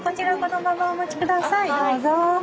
どうぞ。